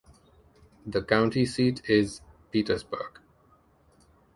The county seat is Petersburg.